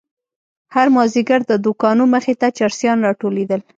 هر مازيگر د دوکانو مخې ته چرسيان راټولېدل.